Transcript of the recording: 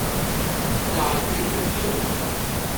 炸魚薯條